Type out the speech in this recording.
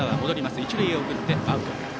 一塁へ送ってアウト。